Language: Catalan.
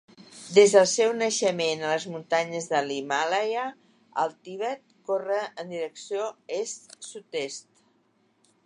Des del seu naixement a les muntanyes de l'Himàlaia al Tibet corre en direcció est-sud-est.